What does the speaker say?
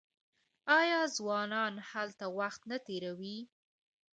آیا ځوانان هلته وخت نه تیروي؟